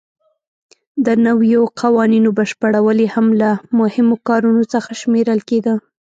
د نویو قوانینو بشپړول یې هم له مهمو کارونو څخه شمېرل کېده.